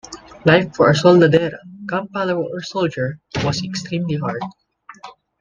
Life for a soldadera, camp follower or soldier, was extremely hard.